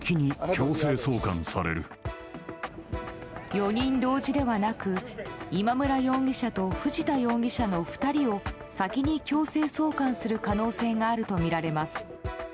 ４人同時ではなく今村容疑者と藤田容疑者の２人を先に強制送還する可能性があるとみられます。